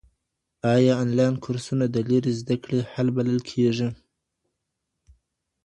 ايا انلاين کورسونه د لېري زده کړي حل بلل کيږي؟